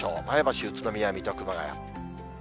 前橋、宇都宮、水戸、熊谷。